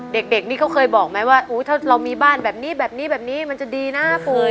เด็กนี่เขาเคยบอกไหมว่าถ้าเรามีบ้านแบบนี้มันจะดีนะปูย่า